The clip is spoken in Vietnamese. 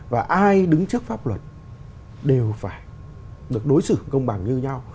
và ai đứng trước pháp luật đều phải được đối xử công bằng như nhau